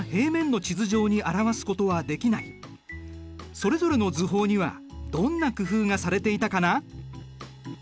それぞれの図法にはどんな工夫がされていたかな？